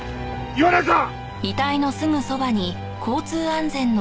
岩内さん！